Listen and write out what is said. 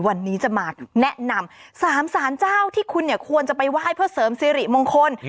วันนี้จะมาแนะนำ๓สารเจ้าที่คุณเนี่ยควรจะไปไหว้เพื่อเสริมสิริมงคล